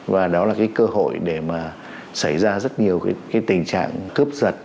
và đó là cái cơ hội để mà xảy ra rất nhiều cái tình trạng cướp giật